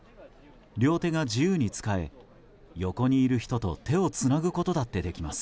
両手が自由に使え横にいる人と手をつなぐことだってできます。